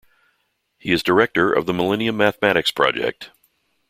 He is Director of the Millennium Mathematics Project.